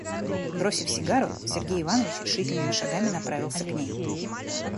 Бросив сигару, Сергей Иванович решительными шагами направился к ней.